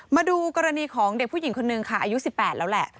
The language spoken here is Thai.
มาดูกรณีของเด็กผู้หญิงคนนึงค่ะอายุ๑๘แล้วแหละ